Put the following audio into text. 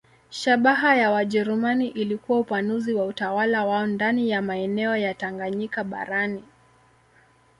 Shabaha ya Wajerumani ilikuwa upanuzi wa utawala wao ndani ya maeneo ya Tanganyika barani.